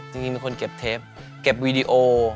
จริงเป็นคนเก็บเทปเก็บวีดีโอ